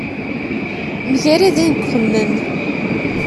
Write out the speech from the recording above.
Mgaraden deg uxemmem.